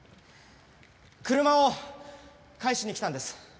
車を返しに来たんです。